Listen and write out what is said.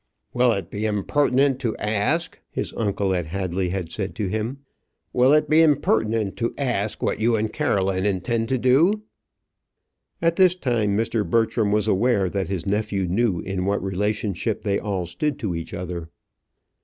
"Will it be impertinent to ask," his uncle at Hadley had said to him "will it be impertinent to ask what you and Caroline intend to do?" At this time Mr. Bertram was aware that his nephew knew in what relationship they all stood to each other.